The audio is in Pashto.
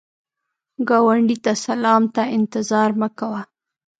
ګاونډي ته سلام ته انتظار مه کوه